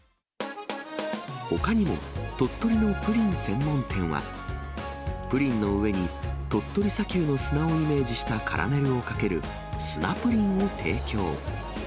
ほかにも鳥取のプリン専門店は、プリンの上に鳥取砂丘の砂をイメージしたカラメルをかける砂プリンを提供。